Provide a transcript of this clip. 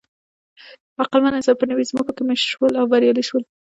عقلمن انسانان په نوې ځمکو کې مېشت شول او بریالي شول.